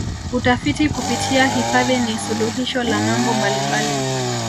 utafiti kupitia hifadhi ni suluhisho la mambo mbalimbali